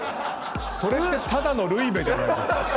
それってただのルイベじゃないですか。